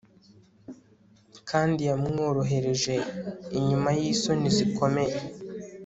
kandi yamworohereje nyuma yisoni zikomeye